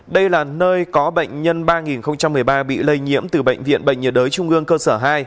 đây là nơi có bệnh nhân ba nghìn một mươi ba bị lây nhiễm từ bệnh viện bệnh nhiệt đới trung ương cơ sở hai